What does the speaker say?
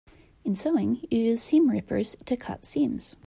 In sewing, you use seam rippers to cut seams.